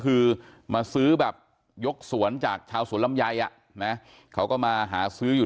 คือมาซื้อแบบยกสวนจากชาวสวนลำไยอ่ะนะเขาก็มาหาซื้ออยู่